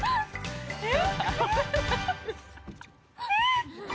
えっ